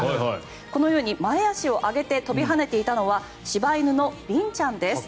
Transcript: このように前足を上げて跳びはねていたのは柴犬のりんちゃんです。